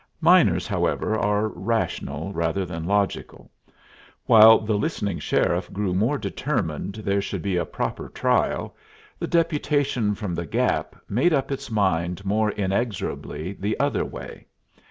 Miners, however, are rational rather than logical; while the listening sheriff grew more determined there should be a proper trial, the deputation from the Gap made up its mind more inexorably the other way.